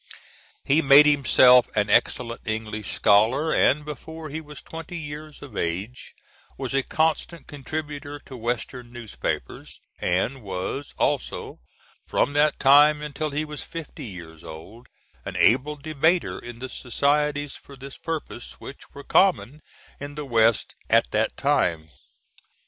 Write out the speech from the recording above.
He made himself an excellent English scholar, and before he was twenty years of age was a constant contributor to Western newspapers, and was also, from that time until he was fifty years old, an able debater in the societies for this purpose, which were common in the West at that time.